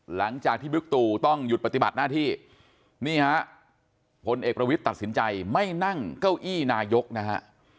หลังจากที่บิ๊กตู่ต้องหยุดปฏิบัติหน้าที่นี่ฮะพลเอกประวิทย์ตัดสินใจไม่นั่งเก้าอี้นายกนะฮะ